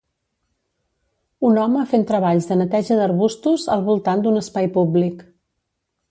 Un home fent treballs de neteja d'arbustos al voltant d'un espai públic.